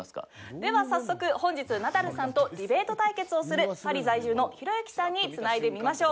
では早速、本日、ナダルさんとディベート対決をするパリ在住のひろゆきさんにつないでみましょう。